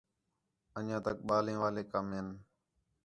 اَن٘ڄیاں تک ٻالیں والے کم ہِن